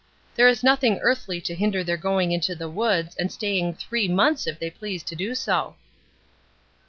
There is nothing earthly to hinder their going to the woods, and staying three months if they please to do so."